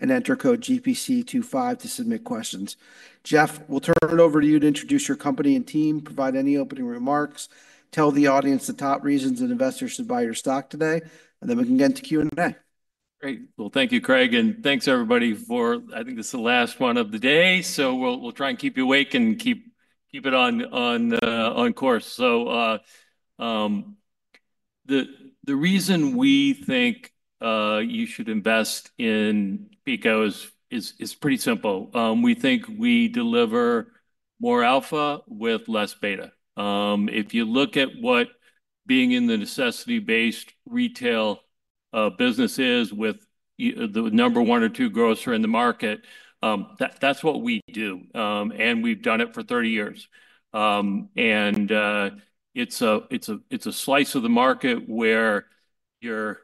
Enter code GPC25 to submit questions. Jeff, we'll turn it over to you to introduce your company and team, provide any opening remarks, tell the audience the top reasons that investors should buy your stock today, and then we can get into Q&A. Great. Thank you, Craig, and thanks, everybody, for, I think this is the last one of the day, so we'll try and keep you awake and keep it on course, so the reason we think you should invest in PECO is pretty simple. We think we deliver more alpha with less beta. If you look at what being in the necessity-based retail business is with the number one or two grocer in the market, that's what we do, and we've done it for 30 years, and it's a slice of the market where you're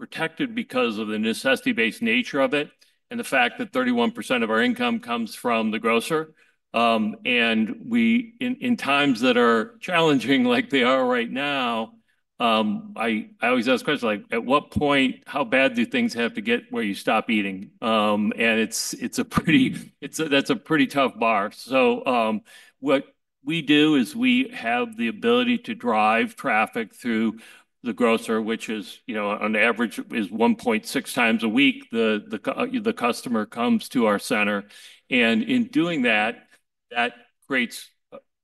protected because of the necessity-based nature of it and the fact that 31% of our income comes from the grocer, and in times that are challenging like they are right now, I always ask questions like, at what point, how bad do things have to get where you stop eating? That's a pretty tough bar. So what we do is we have the ability to drive traffic through the grocer, which is, on average, 1.6 times a week the customer comes to our center. And in doing that, that creates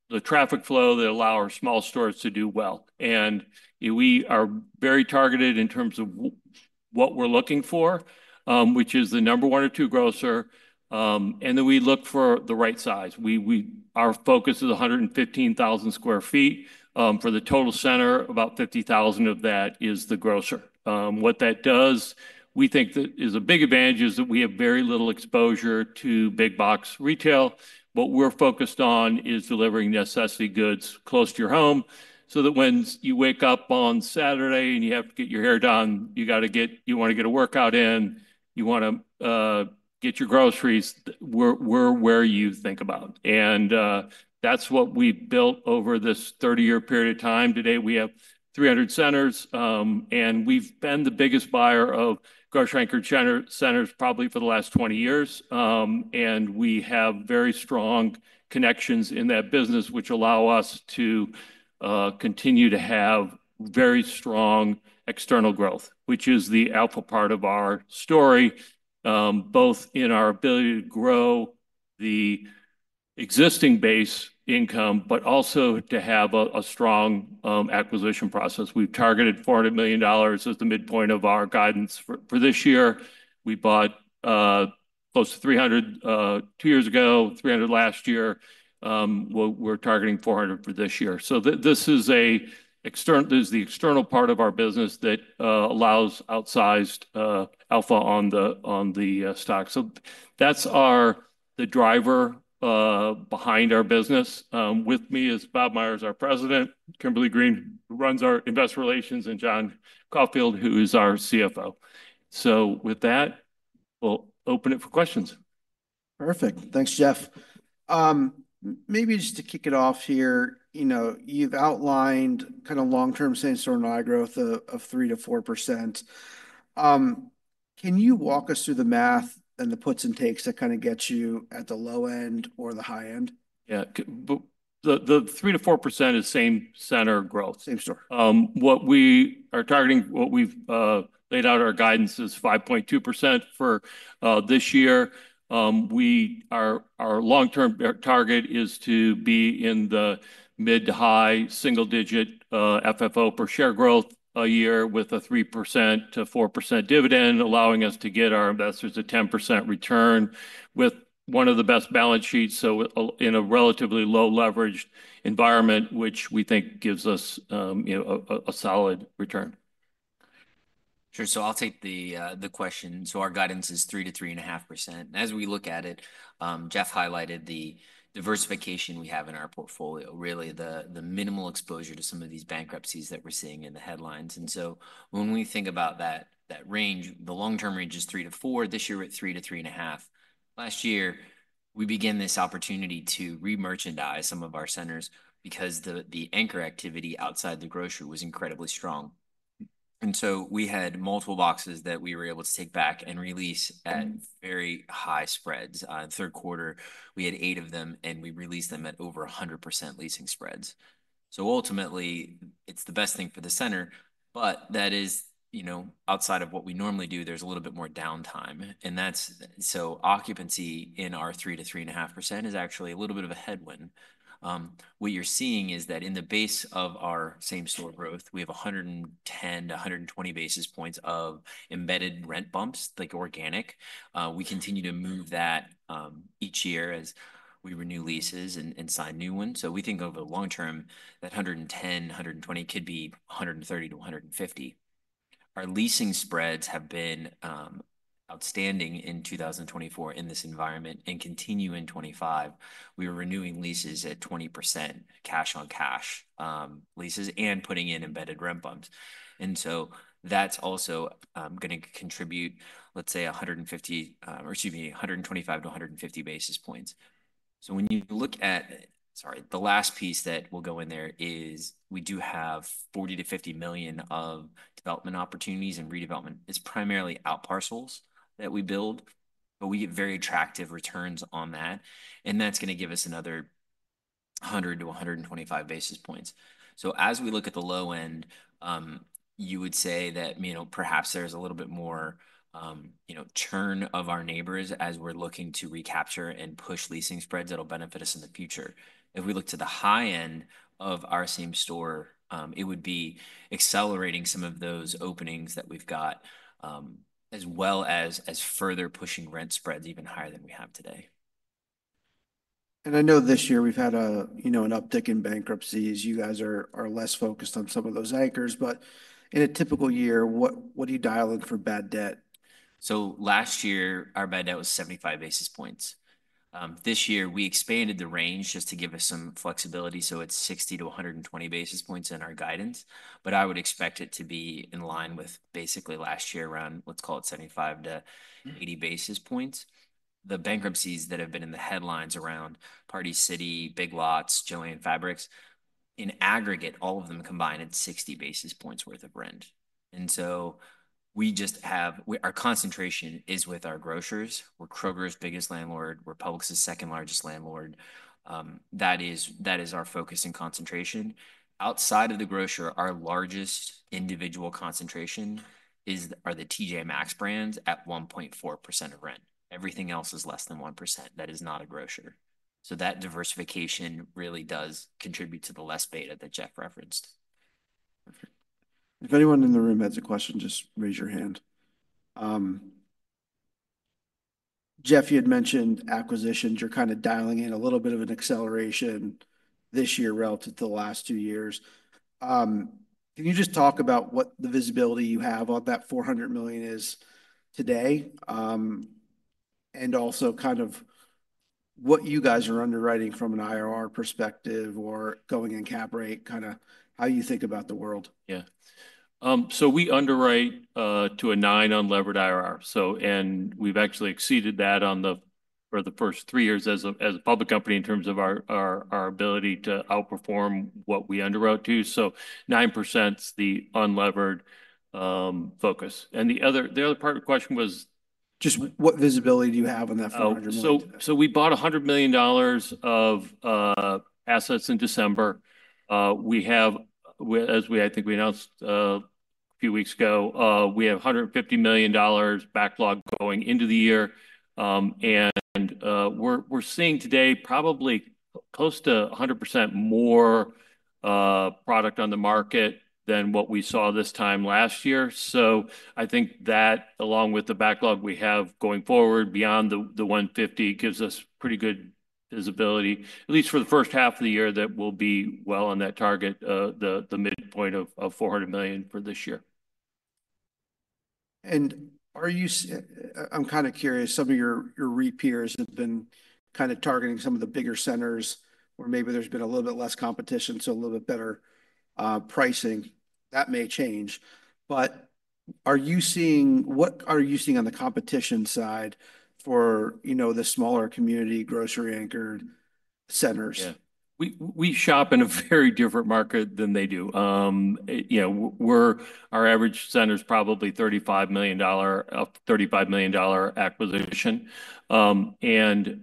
the traffic flow that allows our small stores to do well. And we are very targeted in terms of what we're looking for, which is the number one or two grocer. And then we look for the right size. Our focus is 115,000 sq ft. For the total center, about 50,000 sq ft of that is the grocer. What that does, we think, is a big advantage is that we have very little exposure to big box retail. What we're focused on is delivering necessity goods close to your home so that when you wake up on Saturday and you have to get your hair done, you got to get, you want to get a workout in, you want to get your groceries, we're where you think about. That's what we've built over this 30-year period of time. Today, we have 300 centers, and we've been the biggest buyer of grocery-anchored centers probably for the last 20 years. We have very strong connections in that business, which allow us to continue to have very strong external growth, which is the alpha part of our story, both in our ability to grow the existing base income, but also to have a strong acquisition process. We've targeted $400 million as the midpoint of our guidance for this year. We bought close to 300 two years ago, 300 last year. We're targeting 400 for this year. So this is the external part of our business that allows outsized alpha on the stock. So that's the driver behind our business. With me is Bob Myers, our president. Kimberly Green runs our investor relations, and John Caulfield, who is our CFO. So with that, we'll open it for questions. Perfect. Thanks, Jeff. Maybe just to kick it off here, you've outlined kind of long-term same-center NOI growth of 3%-4%. Can you walk us through the math and the puts and takes that kind of get you at the low end or the high end? Yeah. The 3%-4% is same center growth. Same store. What we are targeting, what we've laid out our guidance is 5.2% for this year. Our long-term target is to be in the mid to high single-digit FFO per share growth a year with a 3%-4% dividend, allowing us to get our investors a 10% return with one of the best balance sheets, so in a relatively low-leveraged environment, which we think gives us a solid return. Sure. So I'll take the question. So our guidance is 3%-3.5%. As we look at it, Jeff highlighted the diversification we have in our portfolio, really the minimal exposure to some of these bankruptcies that we're seeing in the headlines. And so when we think about that range, the long-term range is 3%-4%. This year, we're at 3%-3.5%. Last year, we began this opportunity to re-merchandise some of our centers because the anchor activity outside the grocery was incredibly strong. And so we had multiple boxes that we were able to take back and release at very high spreads. In the third quarter, we had eight of them, and we released them at over 100% leasing spreads. So ultimately, it's the best thing for the center, but that is outside of what we normally do, there's a little bit more downtime. Occupancy in our 3%-3.5% is actually a little bit of a headwind. What you're seeing is that in the base of our same-store growth, we have 110-120 basis points of embedded rent bumps like organic. We continue to move that each year as we renew leases and sign new ones. We think over the long term, that 110-120 could be 130-150. Our leasing spreads have been outstanding in 2024 in this environment and continue in 2025. We were renewing leases at 20% cash on cash leases and putting in embedded rent bumps. That's also going to contribute, let's say, 150 or excuse me, 125-150 basis points. So when you look at, sorry, the last piece that will go in there is we do have $40 million-$50 million of development opportunities, and redevelopment is primarily outparcels that we build, but we get very attractive returns on that. And that's going to give us another 100 to 125 basis points. So as we look at the low end, you would say that perhaps there's a little bit more churn of our neighbors as we're looking to recapture and push leasing spreads that'll benefit us in the future. If we look to the high end of our same store, it would be accelerating some of those openings that we've got as well as further pushing rent spreads even higher than we have today. I know this year we've had an uptick in bankruptcies. You guys are less focused on some of those anchors. In a typical year, what do you dial in for bad debt? Last year, our bad debt was 75 basis points. This year, we expanded the range just to give us some flexibility. It's 60-120 basis points in our guidance. But I would expect it to be in line with basically last year around, let's call it 75-80 basis points. The bankruptcies that have been in the headlines around Party City, Big Lots, JOANN, in aggregate, all of them combined at 60 basis points worth of rent. And so we just have our concentration is with our grocers. We're Kroger's biggest landlord. We're Publix's second largest landlord. That is our focus and concentration. Outside of the grocer, our largest individual concentration is the T.J. Maxx brands at 1.4% of rent. Everything else is less than 1%. That is not a grocer. So that diversification really does contribute to the less beta that Jeff referenced. Perfect. If anyone in the room has a question, just raise your hand. Jeff, you had mentioned acquisitions. You're kind of dialing in a little bit of an acceleration this year relative to the last two years. Can you just talk about what the visibility you have on that $400 million is today and also kind of what you guys are underwriting from an IRR perspective or going in cap rate, kind of how you think about the world? Yeah. So we underwrite to a 9 unlevered IRR. And we've actually exceeded that for the first three years as a public company in terms of our ability to outperform what we underwrote to. So 9% is the unlevered focus. And the other part of the question was. Just what visibility do you have on that $400 million? We bought $100 million of assets in December. As I think we announced a few weeks ago, we have $150 million backlog going into the year. We're seeing today probably close to 100% more product on the market than what we saw this time last year. I think that along with the backlog we have going forward beyond the 150 gives us pretty good visibility, at least for the first half of the year that we'll be well on that target, the midpoint of $400 million for this year. I'm kind of curious. Some of your peers have been kind of targeting some of the bigger centers where maybe there's been a little bit less competition, so a little bit better pricing. That may change. What are you seeing on the competition side for the smaller community grocery-anchored centers? Yeah. We shop in a very different market than they do. Our average center is probably $35 million acquisition. And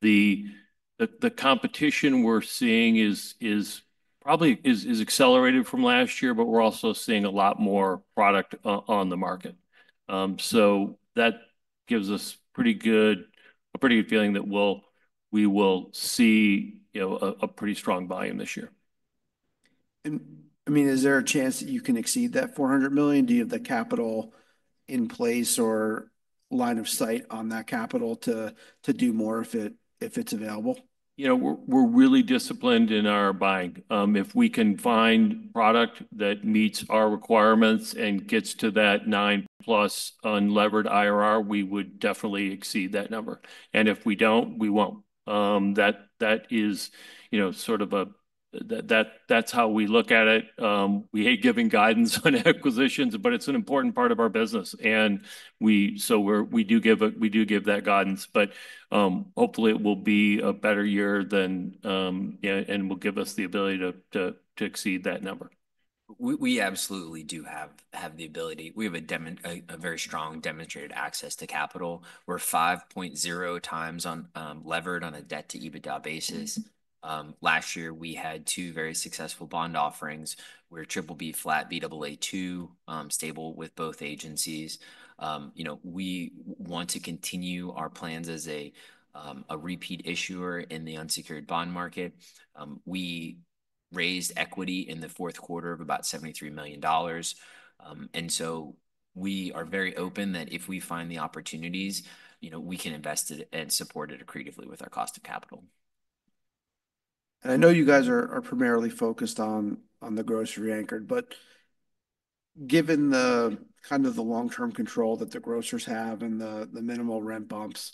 the competition we're seeing is probably accelerated from last year, but we're also seeing a lot more product on the market. So that gives us a pretty good feeling that we will see a pretty strong buy-in this year. And I mean, is there a chance that you can exceed that $400 million? Do you have the capital in place or line of sight on that capital to do more if it's available? You know, we're really disciplined in our buying. If we can find product that meets our requirements and gets to that 9-plus unlevered IRR, we would definitely exceed that number, and if we don't, we won't. That is sort of, that's how we look at it. We hate giving guidance on acquisitions, but it's an important part of our business, and so we do give that guidance, but hopefully, it will be a better year and will give us the ability to exceed that number. We absolutely do have the ability. We have a very strong demonstrated access to capital. We're 5.0 times levered on a debt-to-EBITDA basis. Last year, we had two very successful bond offerings. We're BBB flat, Baa2, stable with both agencies. We want to continue our plans as a repeat issuer in the unsecured bond market. We raised equity in the fourth quarter of about $73 million, and so we are very open that if we find the opportunities, we can invest it and support it accretively with our cost of capital. I know you guys are primarily focused on the grocery-anchored, but given kind of the long-term control that the grocers have and the minimal rent bumps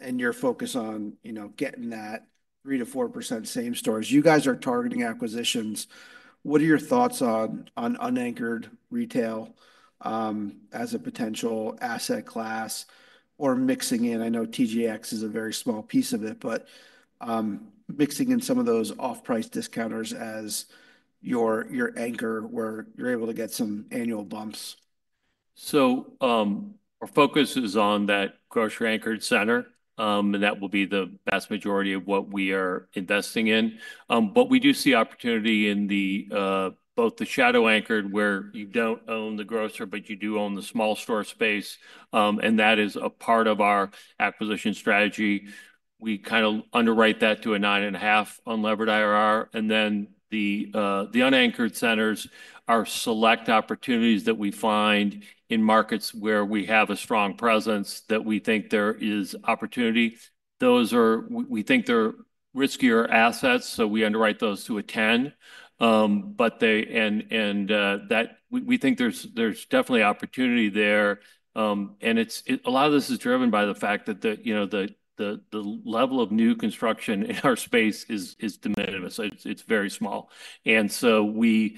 and your focus on getting that 3%-4% same stores, you guys are targeting acquisitions. What are your thoughts on unanchored retail as a potential asset class or mixing in? I know TJX is a very small piece of it, but mixing in some of those off-price discounters as your anchor where you're able to get some annual bumps. Our focus is on that grocery-anchored center, and that will be the vast majority of what we are investing in. But we do see opportunity in both the shadow-anchored where you don't own the grocer, but you do own the small store space. And that is a part of our acquisition strategy. We kind of underwrite that to a 9.5% unlevered IRR. And then the unanchored centers are select opportunities that we find in markets where we have a strong presence that we think there is opportunity. We think they're riskier assets, so we underwrite those to a 10%. But we think there's definitely opportunity there. And a lot of this is driven by the fact that the level of new construction in our space is diminutive. It's very small. And so the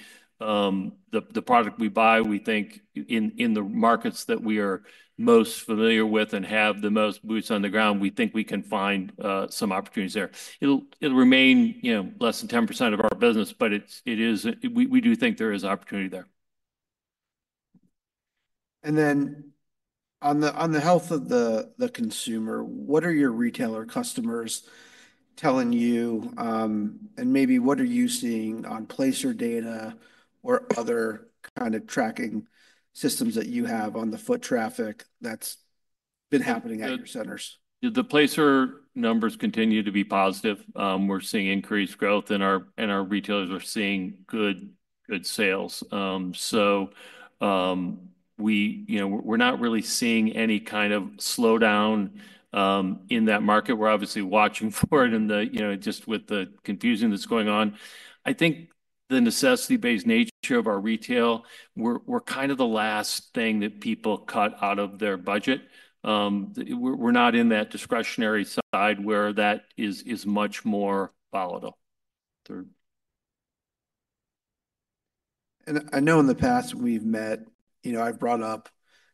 product we buy, we think in the markets that we are most familiar with and have the most boots on the ground, we think we can find some opportunities there. It'll remain less than 10% of our business, but we do think there is opportunity there. Then on the health of the consumer, what are your retailer customers telling you? And maybe what are you seeing on Placer.ai data or other kind of tracking systems that you have on the foot traffic that's been happening at your centers? The Placer numbers continue to be positive. We're seeing increased growth, and our retailers are seeing good sales, so we're not really seeing any kind of slowdown in that market. We're obviously watching for it just with the confusion that's going on. I think the necessity-based nature of our retail, we're kind of the last thing that people cut out of their budget. We're not in that discretionary side where that is much more volatile. I know in the past we've met. I've brought up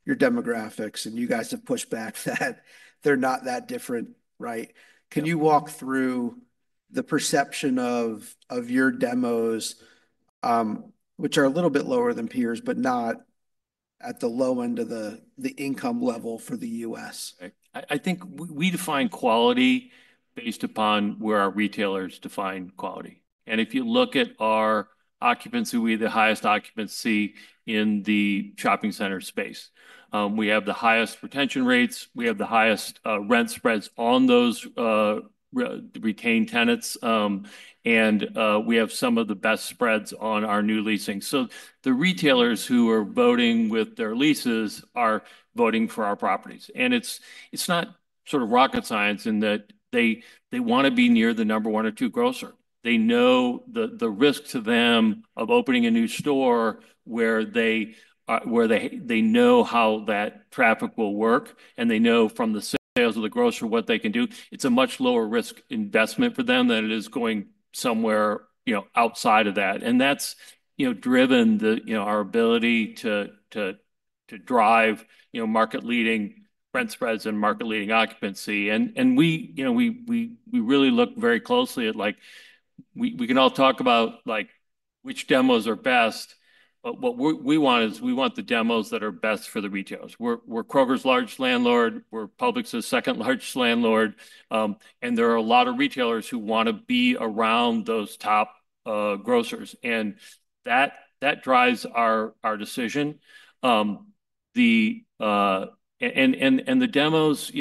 your demographics, and you guys have pushed back that they're not that different, right? Can you walk through the perception of your demos, which are a little bit lower than peers, but not at the low end of the income level for the U.S.? I think we define quality based upon where our retailers define quality, and if you look at our occupancy, we have the highest occupancy in the shopping center space. We have the highest retention rates. We have the highest rent spreads on those retained tenants, and we have some of the best spreads on our new leasing, so the retailers who are voting with their leases are voting for our properties, and it's not sort of rocket science in that they want to be near the number one or two grocer. They know the risk to them of opening a new store where they know how that traffic will work, and they know from the sales of the grocer what they can do. It's a much lower risk investment for them than it is going somewhere outside of that. And that's driven our ability to drive market-leading rent spreads and market-leading occupancy. And we really look very closely at. We can all talk about which demos are best, but what we want is the demos that are best for the retailers. We're Kroger's largest landlord. We're Publix's second largest landlord. And there are a lot of retailers who want to be around those top grocers. And that drives our decision. And the demos,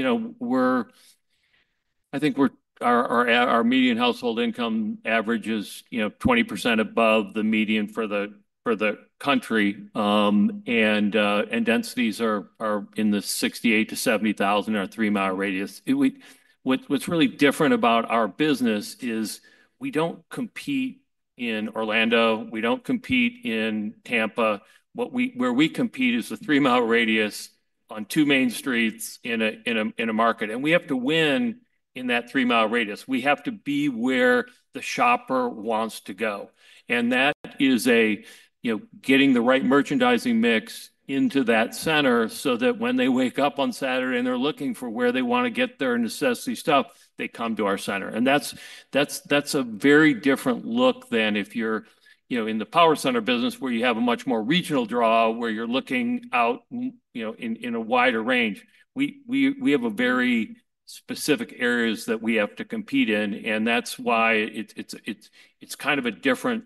I think our median household income average is 20% above the median for the country. And densities are in the 68,000-70,000 in our three-mile radius. What's really different about our business is we don't compete in Orlando. We don't compete in Tampa. Where we compete is the three-mile radius on two main streets in a market. And we have to win in that three-mile radius. We have to be where the shopper wants to go. And that is getting the right merchandising mix into that center so that when they wake up on Saturday and they're looking for where they want to get their necessity stuff, they come to our center. And that's a very different look than if you're in the power center business where you have a much more regional draw where you're looking out in a wider range. We have very specific areas that we have to compete in. And that's why it's kind of a different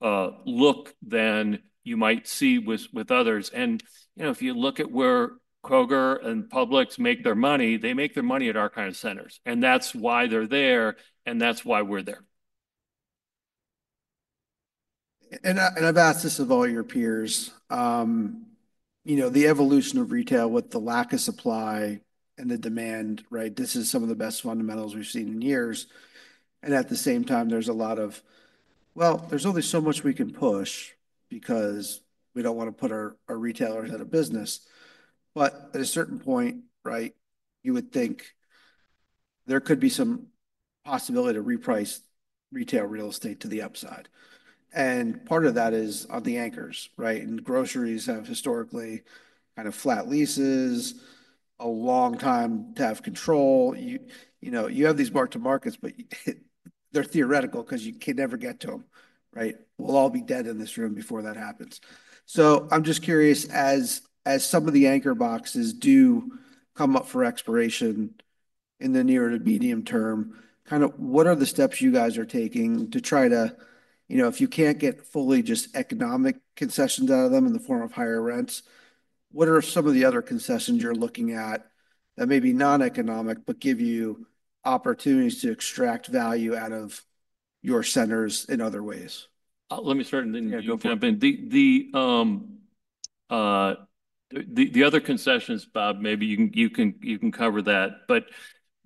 look than you might see with others. And if you look at where Kroger and Publix make their money, they make their money at our kind of centers. And that's why they're there, and that's why we're there. And I've asked this of all your peers. The evolution of retail with the lack of supply and the demand, right? This is some of the best fundamentals we've seen in years. And at the same time, there's a lot of, well, there's only so much we can push because we don't want to put our retailers out of business. But at a certain point, right, you would think there could be some possibility to reprice retail real estate to the upside. And part of that is on the anchors, right? And groceries have historically kind of flat leases, a long time to have control. You have these bump to markets, but they're theoretical because you can never get to them, right? We'll all be dead in this room before that happens. So I'm just curious, as some of the anchor boxes do come up for expiration in the near to medium term, kind of what are the steps you guys are taking to try to, if you can't get fully just economic concessions out of them in the form of higher rents, what are some of the other concessions you're looking at that may be non-economic but give you opportunities to extract value out of your centers in other ways? Let me start and then you go jump in. The other concessions, Bob, maybe you can cover that. But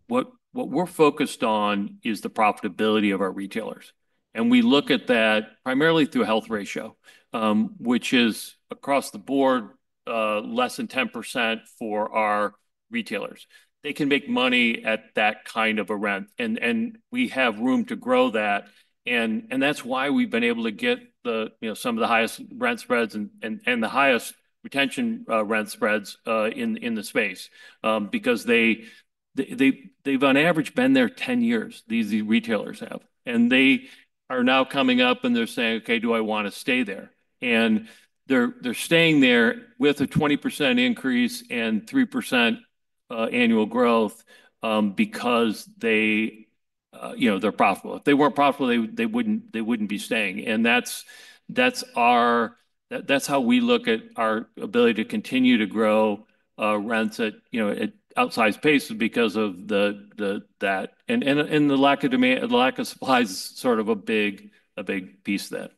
what we're focused on is the profitability of our retailers, and we look at that primarily through health ratio, which is across the board less than 10% for our retailers. They can make money at that kind of a rent, and we have room to grow that. That's why we've been able to get some of the highest rent spreads and the highest retention rent spreads in the space because they've on average been there 10 years, these retailers have. They are now coming up and they're saying, "Okay, do I want to stay there." They're staying there with a 20% increase and 3% annual growth because they're profitable. If they weren't profitable, they wouldn't be staying. That's how we look at our ability to continue to grow rents at outsized pace because of that. The lack of supply is sort of a big piece there.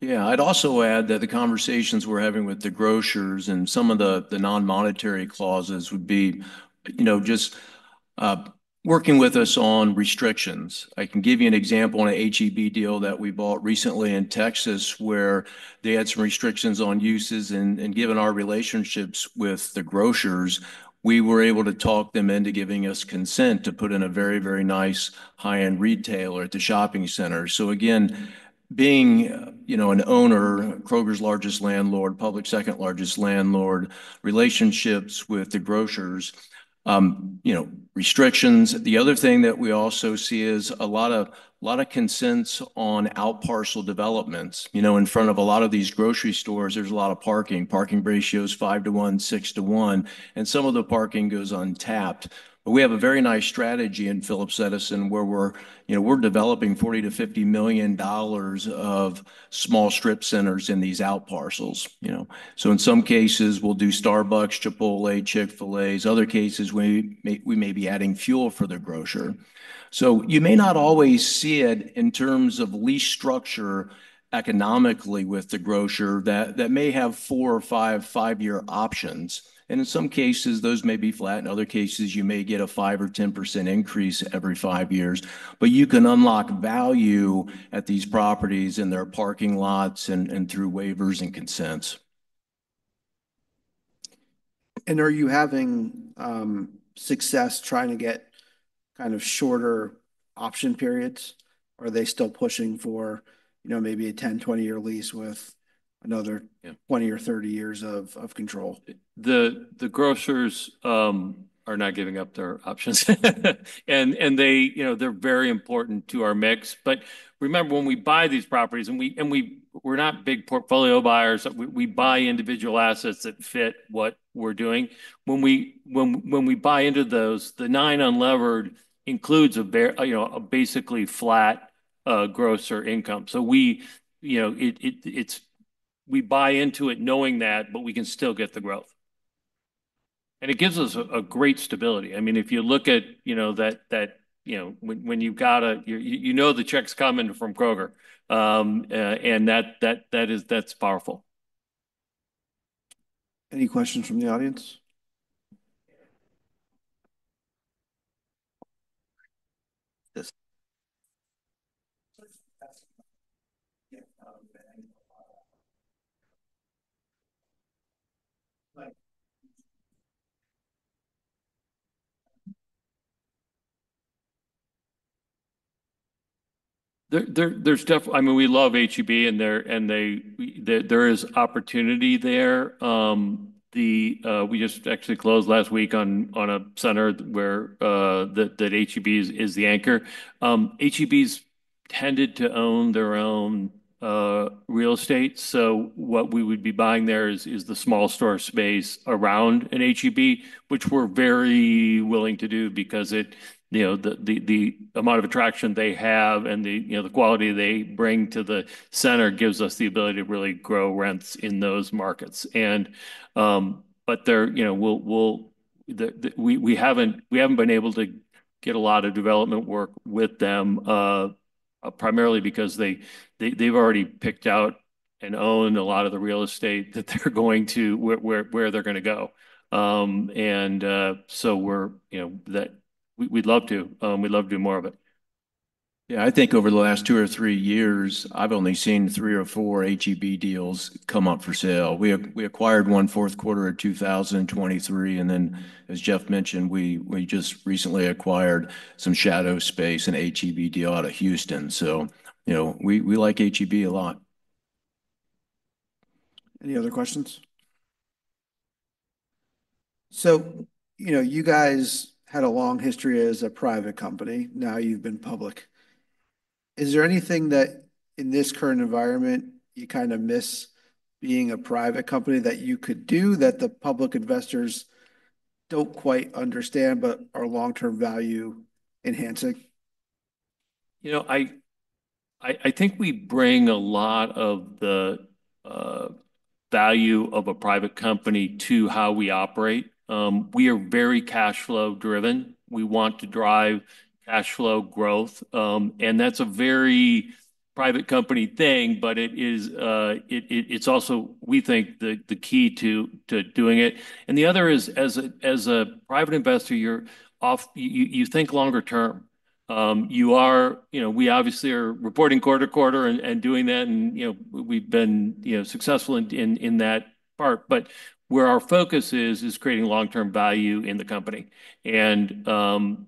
Yeah. I'd also add that the conversations we're having with the grocers and some of the non-monetary clauses would be just working with us on restrictions. I can give you an example on an H-E-B deal that we bought recently in Texas where they had some restrictions on uses. And given our relationships with the grocers, we were able to talk them into giving us consent to put in a very, very nice high-end retailer at the shopping center. So again, being an owner, Kroger's largest landlord, Publix's second largest landlord, relationships with the grocers, restrictions. The other thing that we also see is a lot of consents on outparcel developments. In front of a lot of these grocery stores, there's a lot of parking. Parking ratios are five to one, six to one. And some of the parking goes untapped. But we have a very nice strategy in Phillips Edison where we're developing $40-$50 million of small strip centers in these outparcels. So in some cases, we'll do Starbucks, Chipotle, Chick-fil-A. In other cases, we may be adding fuel for the grocer. So you may not always see it in terms of lease structure economically with the grocer that may have four or five five-year options. And in some cases, those may be flat. In other cases, you may get a five or 10% increase every five years. But you can unlock value at these properties in their parking lots and through waivers and consents. Are you having success trying to get kind of shorter option periods? Are they still pushing for maybe a 10-20-year lease with another 20 or 30 years of control? The grocers are not giving up their options, and they're very important to our mix. But remember, when we buy these properties, and we're not big portfolio buyers, we buy individual assets that fit what we're doing. When we buy into those, the nine unlevered includes a basically flat grocer income, so we buy into it knowing that, but we can still get the growth, and it gives us a great stability. I mean, if you look at that, when you've got a, you know, the checks coming from Kroger, and that's powerful. Any questions from the audience? I mean, we love H-E-B, and there is opportunity there. We just actually closed last week on a center where H-E-B is the anchor. H-E-Bs tended to own their own real estate. So what we would be buying there is the small store space around an H-E-B, which we're very willing to do because the amount of attraction they have and the quality they bring to the center gives us the ability to really grow rents in those markets. But we haven't been able to get a lot of development work with them, primarily because they've already picked out and owned a lot of the real estate that they're going to, where they're going to go. And so we'd love to. We'd love to do more of it. Yeah. I think over the last two or three years, I've only seen three or four H-E-B deals come up for sale. We acquired one fourth quarter of 2023. And then, as Jeff mentioned, we just recently acquired some shadow-anchored space, an H-E-B deal out of Houston. So we like H-E-B a lot. Any other questions? So you guys had a long history as a private company. Now you've been public. Is there anything that in this current environment you kind of miss being a private company that you could do that the public investors don't quite understand, but our long-term value enhancing? I think we bring a lot of the value of a private company to how we operate. We are very cash flow driven. We want to drive cash flow growth, and that's a very private company thing, but it's also, we think, the key to doing it, and the other is, as a private investor, you think longer term. We obviously are reporting quarter to quarter and doing that, and we've been successful in that part, but where our focus is, is creating long-term value in the company, and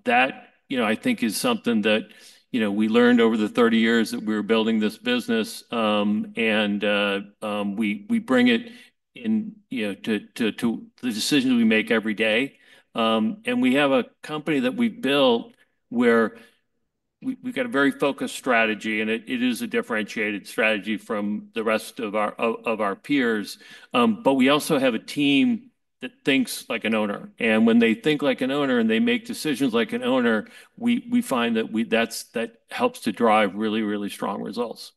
that, I think, is something that we learned over the 30 years that we were building this business, and we bring it into the decisions we make every day, and we have a company that we've built where we've got a very focused strategy, and it is a differentiated strategy from the rest of our peers. But we also have a team that thinks like an owner. And when they think like an owner and they make decisions like an owner, we find that that helps to drive really, really strong results.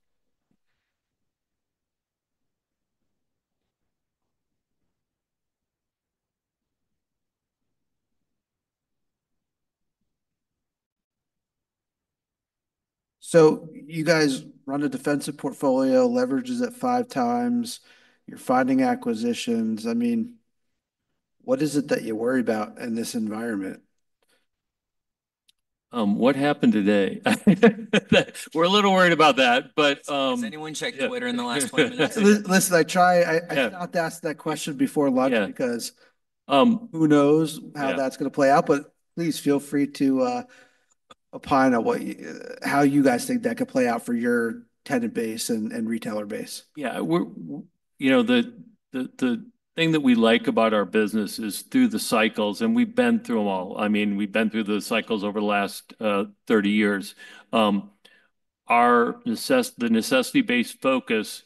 So you guys run a defensive portfolio, leverages at five times. You're finding acquisitions. I mean, what is it that you worry about in this environment? What happened today? We're a little worried about that, but. Has anyone checked Twitter in the last 20 minutes? Listen, I try. I have to ask that question before lunch because who knows how that's going to play out. But please feel free to opine on how you guys think that could play out for your tenant base and retailer base. Yeah. The thing that we like about our business is through the cycles, and we've been through them all. I mean, we've been through the cycles over the last 30 years. The necessity-based focus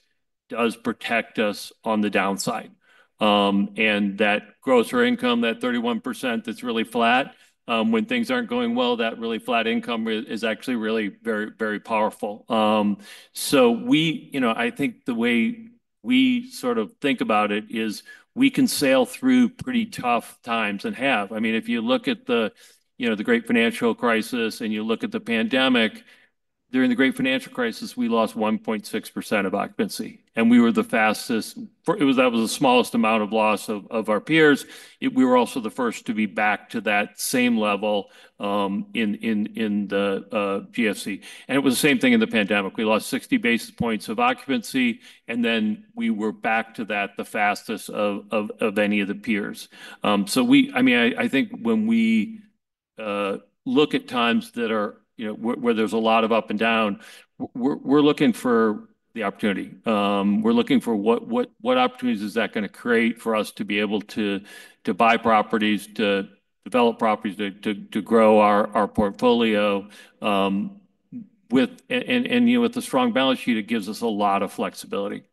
does protect us on the downside. And that grocery income, that 31% that's really flat, when things aren't going well, that really flat income is actually really very, very powerful. So I think the way we sort of think about it is we can sail through pretty tough times and have. I mean, if you look at the great financial crisis and you look at the pandemic, during the great financial crisis, we lost 1.6% of occupancy. And we were the fastest. That was the smallest amount of loss of our peers. We were also the first to be back to that same level in the GFC. And it was the same thing in the pandemic. We lost 60 basis points of occupancy. And then we were back to that the fastest of any of the peers. So I mean, I think when we look at times where there's a lot of up and down, we're looking for the opportunity. We're looking for what opportunities is that going to create for us to be able to buy properties, to develop properties, to grow our portfolio. And with a strong balance sheet, it gives us a lot of flexibility.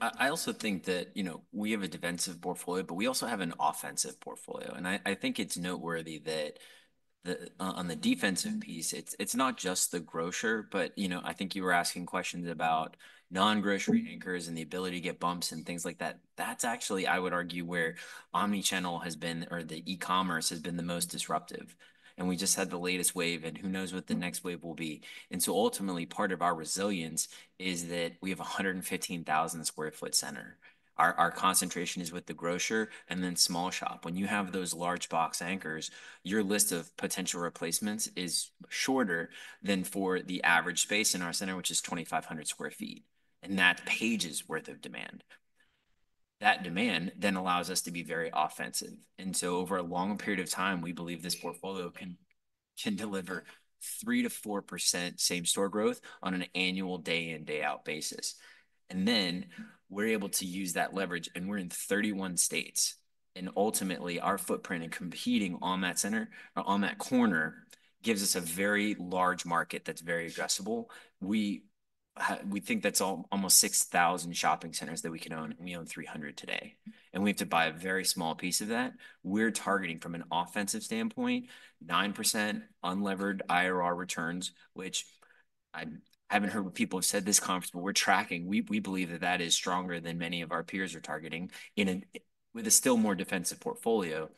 I also think that we have a defensive portfolio, but we also have an offensive portfolio, and I think it's noteworthy that on the defensive piece, it's not just the grocer, but I think you were asking questions about non-grocery anchors and the ability to get bumps and things like that. That's actually, I would argue, where omnichannel has been, or the e-commerce has been the most disruptive, and we just had the latest wave, and who knows what the next wave will be, and so ultimately, part of our resilience is that we have a 115,000 sq ft center. Our concentration is with the grocer and then small shop. When you have those large box anchors, your list of potential replacements is shorter than for the average space in our center, which is 2,500 sq ft, and that's pages' worth of demand. That demand then allows us to be very offensive. So over a long period of time, we believe this portfolio can deliver 3%-4% same-store growth on an annual day-in-day-out basis. Then we're able to use that leverage, and we're in 31 states. Ultimately, our footprint in competing on that center, on that corner, gives us a very large market that's very addressable. We think that's almost 6,000 shopping centers that we can own. We own 300 today, and we have to buy a very small piece of that. We're targeting from an offensive standpoint 9% unlevered IRR returns, which I haven't heard people say at this conference, but we're tracking. We believe that that is stronger than many of our peers are targeting with a still more defensive portfolio.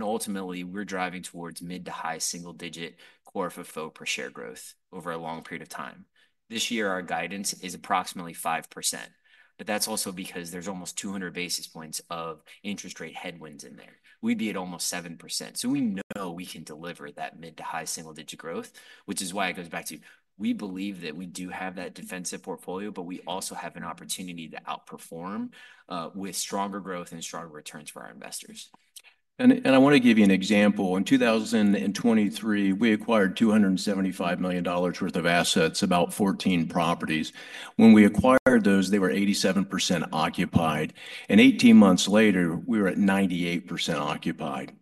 Ultimately, we're driving towards mid- to high single-digit FFO per share growth over a long period of time. This year, our guidance is approximately 5%. But that's also because there's almost 200 basis points of interest rate headwinds in there. We'd be at almost 7%. We know we can deliver that mid- to high single-digit growth, which is why it goes back to we believe that we do have that defensive portfolio, but we also have an opportunity to outperform with stronger growth and stronger returns for our investors. And I want to give you an example. In 2023, we acquired $275 million worth of assets, about 14 properties. When we acquired those, they were 87% occupied. And 18 months later, we were at 98% occupied.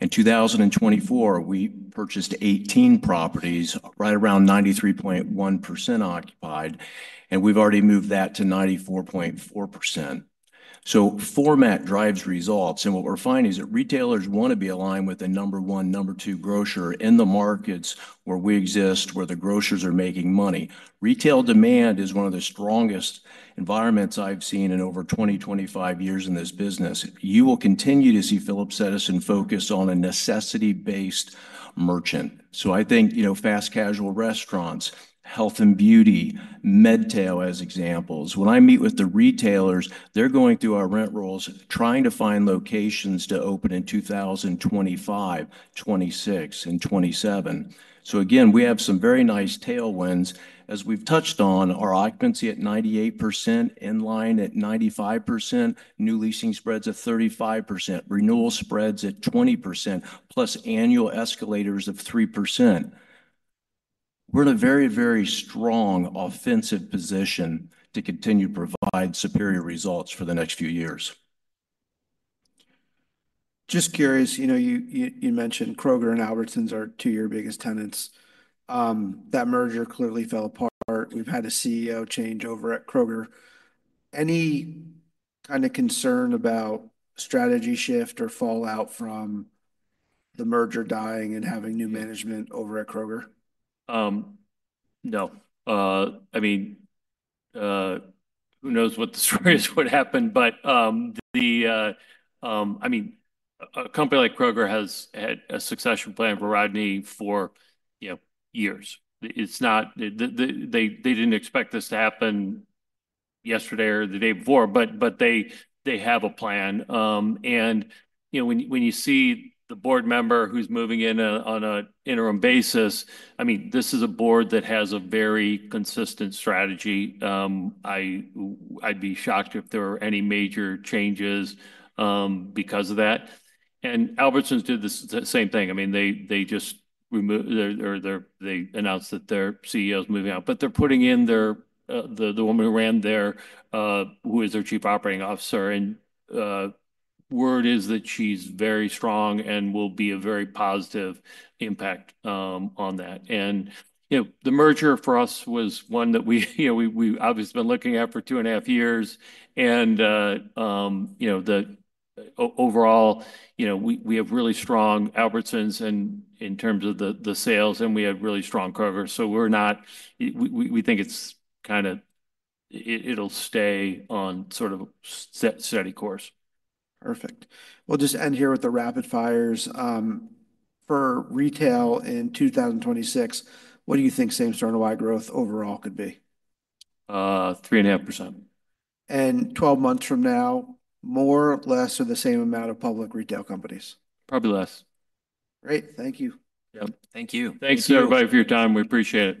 In 2024, we purchased 18 properties, right around 93.1% occupied. And we've already moved that to 94.4%. So format drives results. And what we're finding is that retailers want to be aligned with a number one, number two grocer in the markets where we exist, where the grocers are making money. Retail demand is one of the strongest environments I've seen in over 20, 25 years in this business. You will continue to see Phillips Edison focus on a necessity-based merchant. So I think fast casual restaurants, health and beauty, medtail as examples. When I meet with the retailers, they're going through our rent rolls, trying to find locations to open in 2025, 2026, and 2027. So again, we have some very nice tailwinds. As we've touched on, our occupancy at 98%, inline at 95%, new leasing spreads at 35%, renewal spreads at 20%, plus annual escalators of 3%. We're in a very, very strong offensive position to continue to provide superior results for the next few years. Just curious, you mentioned Kroger and Albertsons are two of your biggest tenants. That merger clearly fell apart. We've had a CEO change over at Kroger. Any kind of concern about strategy shift or fallout from the merger dying and having new management over at Kroger? No. I mean, who knows what the story is, what happened, but I mean, a company like Kroger has had a succession plan for Rodney for years. They didn't expect this to happen yesterday or the day before, but they have a plan, and when you see the board member who's moving in on an interim basis, I mean, this is a board that has a very consistent strategy. I'd be shocked if there were any major changes because of that, and Albertsons did the same thing. I mean, they announced that their CEO is moving out, but they're putting in the woman who ran there, who is their Chief Operating Officer. And word is that she's very strong and will be a very positive impact on that, and the merger for us was one that we obviously have been looking at for two and a half years. Overall, we have really strong Albertsons in terms of the sales, and we have really strong Kroger. We think it'll stay on sort of steady course. Perfect. We'll just end here with the rapid fires. For retail in 2026, what do you think same-center NOI growth overall could be? 3.5%. 12 months from now, more, less, or the same amount of public retail companies? Probably less. Great. Thank you. Yep. Thank you. Thanks, everybody, for your time. We appreciate it.